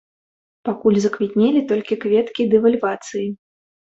Пакуль заквітнелі толькі кветкі дэвальвацыі.